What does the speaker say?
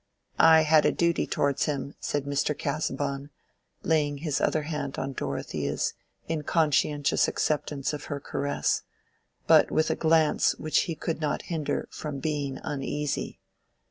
"I had a duty towards him," said Mr. Casaubon, laying his other hand on Dorothea's in conscientious acceptance of her caress, but with a glance which he could not hinder from being uneasy.